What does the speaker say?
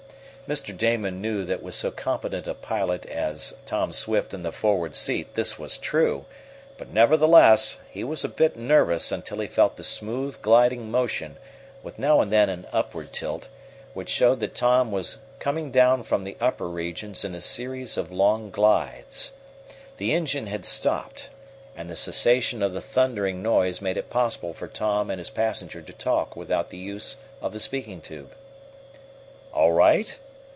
Mr. Damon knew that with so competent a pilot as Tom Swift in the forward seat this was true, but, nevertheless, he was a bit nervous until he felt the smooth, gliding motion, with now and then an upward tilt, which showed that Tom was coming down from the upper regions in a series of long glides. The engine had stopped, and the cessation of the thundering noise made it possible for Tom and his passenger to talk without the use of the speaking tube. "All right?"